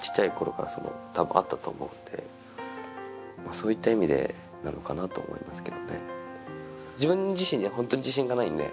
そういった意味でなのかなと思いますけどね。